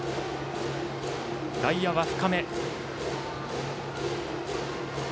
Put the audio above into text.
外野は深め。